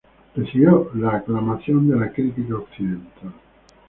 Recibió la aclamación de la crítica occidental.